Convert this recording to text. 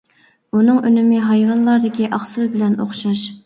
ئۇنىڭ ئۈنۈمى ھايۋانلاردىكى ئاقسىل بىلەن ئوخشاش.